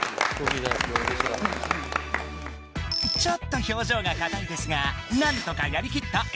ちょっと表情が硬いですが何とかやりきった＆